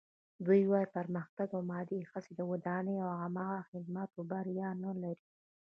دوی وايي پرمختګ او مادي هڅې د ودانۍ او عامه خدماتو بریا نه لري.